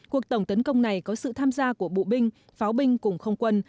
cuộc tổng tấn công này có sự tham gia của bộ binh pháo binh cùng không quân